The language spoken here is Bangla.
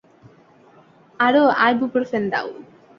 আরো আইবুপ্রোফেন দাও।